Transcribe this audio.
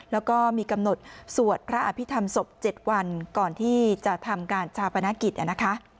แล้วก็มีกำหนดสวดพระอภิษฐรรมศพ๗วันก่อนที่จะทำการชาปนกิจนะคะ